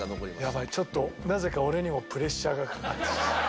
やばいちょっとなぜか俺にもプレッシャーがかかってきた。